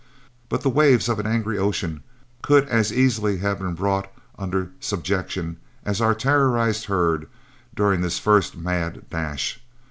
But the waves of an angry ocean could as easily have been brought under subjection as our terrorized herd during this first mad dash.